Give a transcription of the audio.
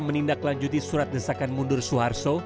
menindaklanjuti surat desakan mundur suar so